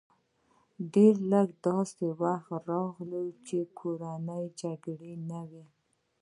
ډېر لږ داسې وخت راغی چې کورنۍ جګړې نه وې